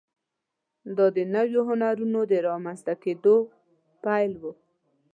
دا د نویو هنرونو د رامنځته کېدو پیل و.